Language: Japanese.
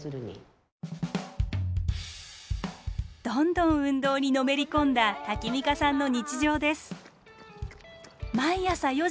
どんどん運動にのめり込んだタキミカさんの日常です。